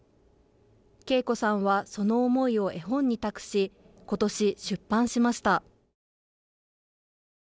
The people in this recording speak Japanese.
恵子さんはその思いを絵本に託し今年出版しました。